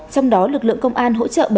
trong đó lực lượng công an hỗ trợ